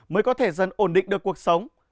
mới có thể dần ổn định được cuộc sống